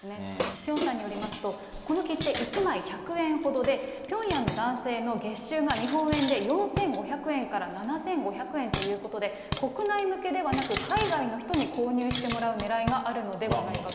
ピョンさんによりますと、この切手、１枚１００円ほどで、ピョンヤンの男性の月収が日本円で４５００円から７５００円ということで、国内向けではなく、海外の人に購入してもらうねらいがあるのではないかと。